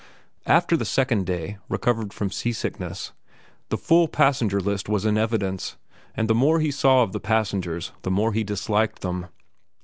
After the second day, recovered from seasickness, the full passenger list was in evidence, and the more he saw of the passengers the more he disliked them.